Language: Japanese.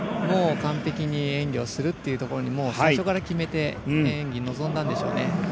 完璧に演技をするっていうところにもう最初から決めて演技に臨んだんでしょうね。